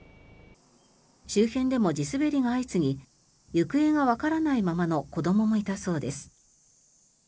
周辺でも地滑りが相次ぎ行方がわからないままの子どももいたそうです。